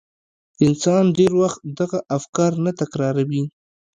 انسان ډېر وخت دغه افکار نه تکراروي.